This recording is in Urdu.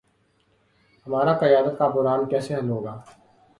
ہمارا قیادت کا بحران کیسے حل ہو گا۔